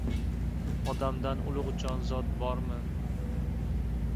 Odamdan ulug‘ jonzot bormi...